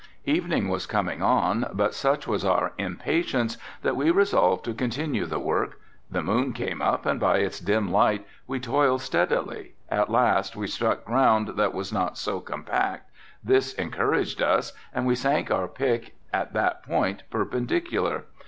Evening was coming on but such was our impatience that we resolved to continue the work. The moon came up and by its dim light we toiled steadily, at last we struck ground that was not so compact, this encouraged us and we sank our pick at that point perpendicular.